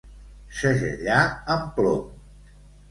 Segellar amb plom.